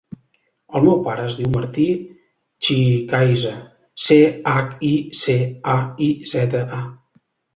El meu pare es diu Martí Chicaiza: ce, hac, i, ce, a, i, zeta, a.